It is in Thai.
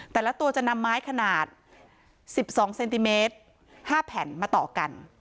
แต่ละตัวจะนำไม้ขนาด๑๒เซนติเมตร๕แผ่นมาต่อกัน